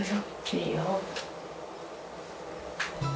いいよ。